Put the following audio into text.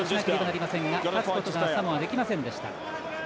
立つことがサモアできませんでした。